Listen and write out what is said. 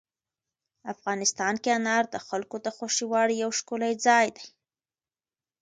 افغانستان کې انار د خلکو د خوښې وړ یو ښکلی ځای دی.